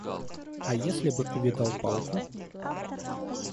А если бы увидал палку?